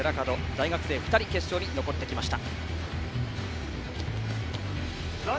大学生２人決勝に残ってきました。